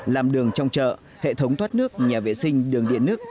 làm đường trong chợ hệ thống thoát nước nhà vệ sinh đường điện nước